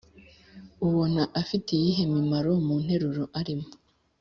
ubona afite iyihe mimaro mu nteruro arimo?